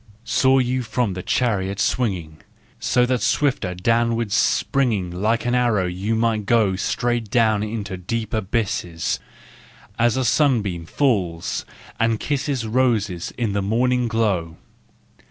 Saw you from your chariot swinging, So that swifter downward springing Like an arrow you might go Straight into the deep abysses, As a sunbeam falls and kisses Roses in the morning glow.